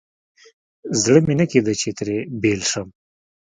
زړه مې نه کېده چې ترې بېل شم.